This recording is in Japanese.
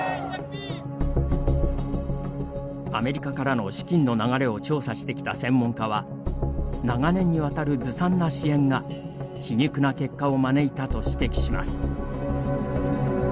アメリカからの資金の流れを調査してきた専門家は長年にわたるずさんな支援が皮肉な結果を招いたと指摘します。